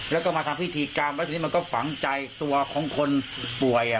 แล้วก็มาทำพิธีกรรมแล้วทีนี้มันก็ฝังใจตัวของคนป่วย